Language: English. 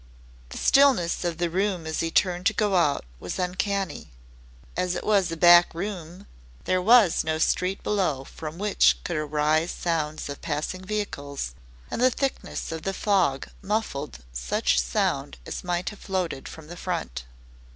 The stillness of the room as he turned to go out was uncanny. As it was a back room, there was no street below from which could arise sounds of passing vehicles, and the thickness of the fog muffled such sound as might have floated from the front.